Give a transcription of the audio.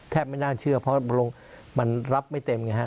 ไม่น่าเชื่อเพราะมันรับไม่เต็มไงฮะ